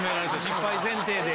失敗前提で。